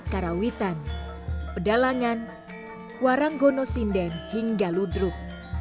karawitan pedalangan warangono sinden hingga ludrup